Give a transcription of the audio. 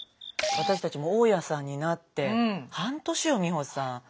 私たちも大家さんになって半年よ美穂さん。